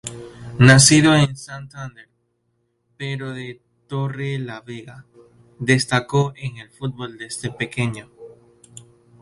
Nacido en Santander, pero de Torrelavega, destacó en el fútbol desde pequeño.